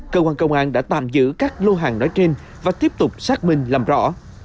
cơ quan công an đã tạm giữ các lô hàng nói trên và tiếp tục xác minh làm rõ